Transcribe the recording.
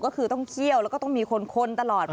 ก็คือต้องเคี่ยวแล้วก็ต้องมีคนคนตลอด